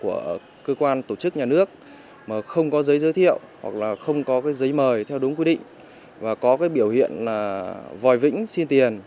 của cơ quan tổ chức nhà nước mà không có giấy giới thiệu hoặc là không có cái giấy mời theo đúng quy định và có cái biểu hiện là vòi vĩnh xin tiền